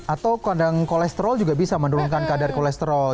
atau kolesterol juga bisa menurunkan kadar kolesterol